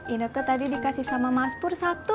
ini ke tadi dikasih sama mas pur satu